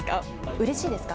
うれしいですか？